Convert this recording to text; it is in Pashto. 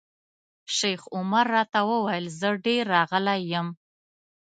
شیخ عمر راته وویل زه ډېر راغلی یم.